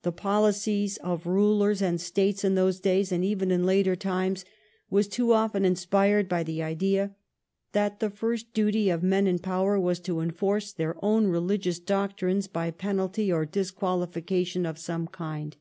The policy of rulers 1685 1714 RELIGIOUS PERSECUTION. 165 and States in those days, and even in later times, was too often inspired by the idea that the first duty of men in power was to enforce their own religious doctrines by penalty or disqualification of some kind.